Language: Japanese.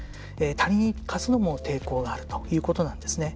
他人に貸すのも抵抗があるということなんですね。